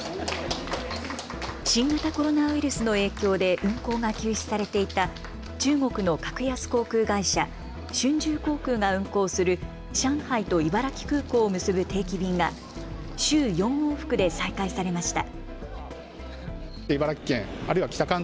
新型コロナウイルスの影響で運航が休止されていた中国の格安航空会社、春秋航空が運航する上海と茨城空港を結ぶ定期便が週４往復で再開されました。